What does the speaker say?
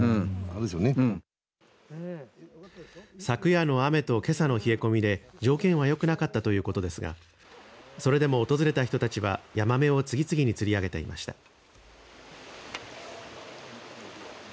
昨夜の雨とけさの冷え込みで条件はよくなかったということですがそれでも訪れた人たちはヤマメを次々に釣り上げていました。